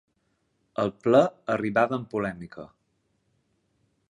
El ple arribava amb polèmica.